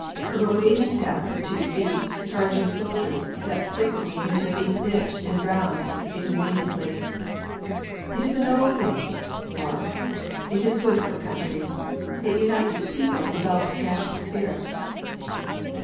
From a wading depth of two feet, charging soldiers stepped frequently into a deep ditch and drowned ignominiously. It is a noble thing, war! It is good for a country. It unites its people and develops national spirit!